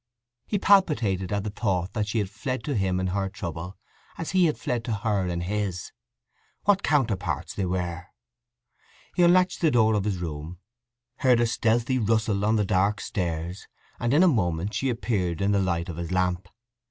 He palpitated at the thought that she had fled to him in her trouble as he had fled to her in his. What counterparts they were! He unlatched the door of his room, heard a stealthy rustle on the dark stairs, and in a moment she appeared in the light of his lamp.